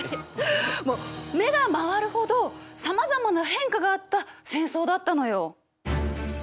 もう目が回るほどさまざまな変化があった戦争だったのよ。